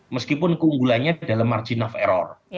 meskipun keunggulannya dalam margin of error